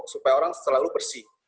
supaya orang selalu bersih